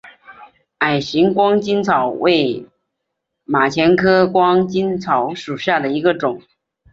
矮形光巾草为马钱科光巾草属下的一个种。